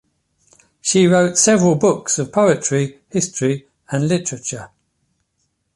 She wrote several books of poetry, history and literature.